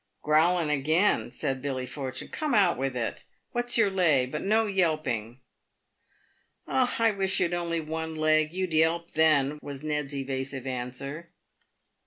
" G rowlin' again !" said Billy Fortune. " Come, out with it ? What's your lay ? But no yelping." " I wish you'd only one leg, you'd yelp then," was Ned's evasive answer.